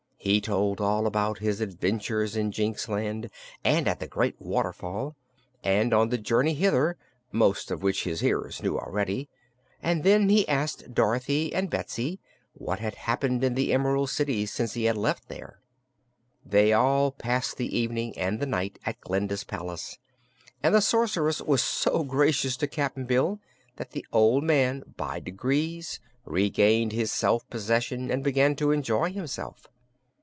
He told all about his adventures in Jinxland, and at the Great Waterfall, and on the journey hither most of which his hearers knew already and then he asked Dorothy and Betsy what had happened in the Emerald City since he had left there. They all passed the evening and the night at Glinda's palace, and the Sorceress was so gracious to Cap'n Bill that the old man by degrees regained his self possession and began to enjoy himself.